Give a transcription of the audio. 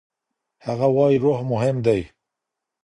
هغه وايي روح مهم دی.